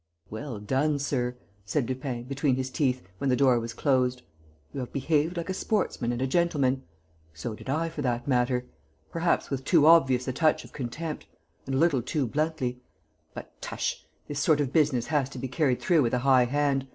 "Well done, sir," said Lupin, between his teeth, when the door was closed. "You have behaved like a sportsman and a gentleman.... So did I, for that matter ... perhaps with too obvious a touch of contempt ... and a little too bluntly. But, tush, this sort of business has to be carried through with a high hand!